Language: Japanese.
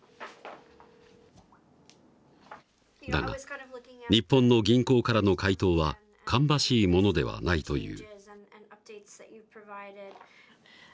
だが日本の銀行からの回答は芳しいものではないという。